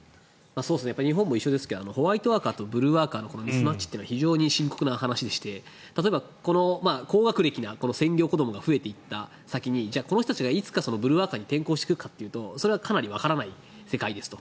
日本も一緒ですけどホワイトワーカーとブルーワーカーのミスマッチは非常に深刻で例えば高学歴な専業子どもが増えていった先にこの人たちがいつかブルーワーカーに転向するかというとわからないと。